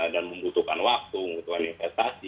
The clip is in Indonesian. dan membutuhkan waktu membutuhkan investasi